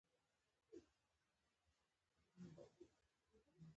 که غواړئ قوي واوسئ په یوازیتوب جنګېدل زده کړئ.